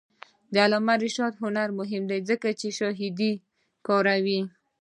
د علامه رشاد لیکنی هنر مهم دی ځکه چې شاهدان کاروي.